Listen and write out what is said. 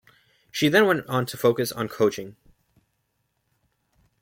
She then went on to focus on coaching.